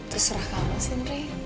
terserah kamu sih nri